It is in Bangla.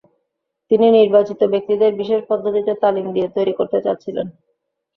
তিনি নির্বাচিত ব্যক্তিদের বিশেষ পদ্ধতিতে তালিম দিয়ে তৈরি করতে চাচ্ছিলেন।